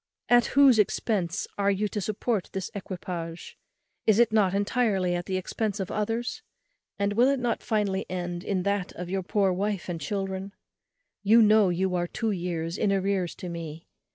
At whose expence are you to support this equipage? is it not entirely at the expence of others? and will it not finally end in that of your poor wife and children? you know you are two years in arrears to me.